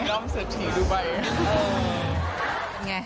ด้อมเศรษฐีดูบัย